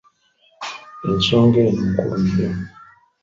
Ensonga eno nkulu nnyo.